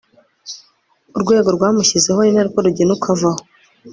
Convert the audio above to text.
urwego rwamushyizeho ni na rwo rugena uko avaho